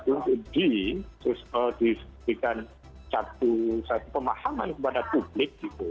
untuk diberikan satu pemahaman kepada publik gitu